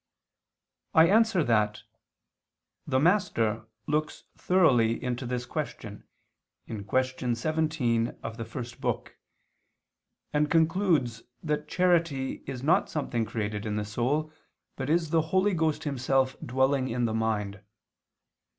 I answer that, The Master looks thoroughly into this question in Q. 17 of the First Book, and concludes that charity is not something created in the soul, but is the Holy Ghost Himself dwelling in the mind.